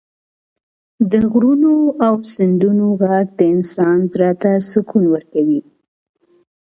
د غرونو او سیندونو غږ د انسان زړه ته سکون ورکوي.